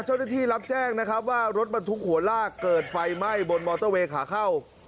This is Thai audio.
เจ้าหน้าที่รับแจ้งนะครับว่ารถบรรทุกหัวลากเกิดไฟไหม้บนมอเตอร์เวย์ขาเข้า